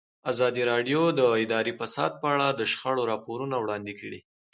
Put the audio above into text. ازادي راډیو د اداري فساد په اړه د شخړو راپورونه وړاندې کړي.